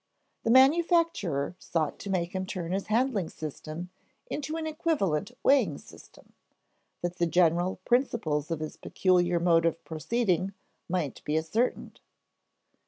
The manufacturer sought to make him turn his handling system into an equivalent weighing system, that the general principles of his peculiar mode of proceeding might be ascertained.